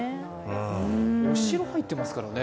お城入ってますからね。